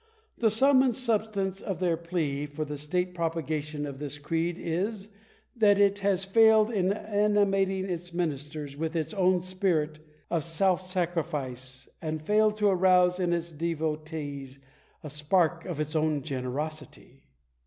The sum and substance of their plea for the state propagation of this creed is, that it has failed in animating its ministers with its own spirit of self sacrifice, and failed to arouse in its devotees a spark of its own generosity!